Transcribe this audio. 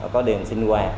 có điện sinh hoạt